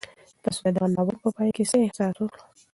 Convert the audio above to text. تاسو د دغه ناول په پای کې څه احساس وکړ؟